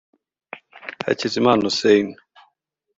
Hakizimana Hussein